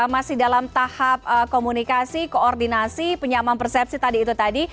masih dalam tahap komunikasi koordinasi penyamaan persepsi tadi itu tadi